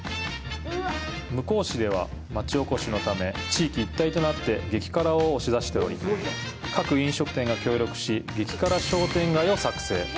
向日市では、まちおこしのため、地域一体となって激辛を推し出しており、各飲食店が協力し、「激辛商店街」を作成。